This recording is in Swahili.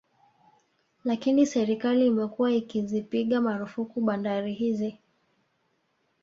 Lakini serikali imekuwa ikizipiga marufuku bandari hizi